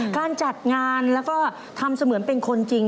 การจัดงานแล้วก็ทำเสมือนเป็นคนจริง